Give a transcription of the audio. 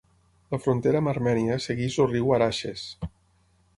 La frontera amb Armènia segueix el Riu Araxes.